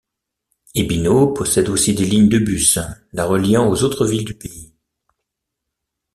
Ebino possède aussi des lignes de bus la reliant aux autres villes du pays.